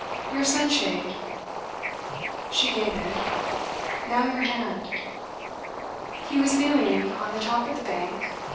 Your sunshade ' She gave it. 'Now, your hand.' He was kneeling on the top of the bank.